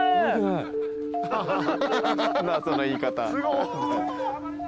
何だその言い方。